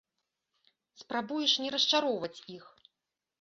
Спрабуеш не расчароўваць іх.